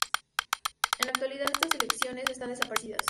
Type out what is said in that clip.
En la actualidad estas secciones están desaparecidas.